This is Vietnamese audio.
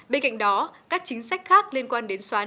bên cạnh đó các chính sách khác liên quan đến xóa